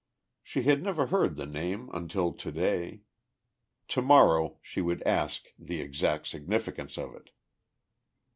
She had never heard the name until today. Tomorrow she would ask the exact significance of it....